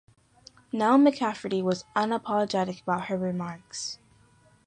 Nell McCafferty was unapologetic about her remarks.